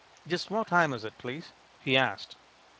"Just what time is it, please?" he asked.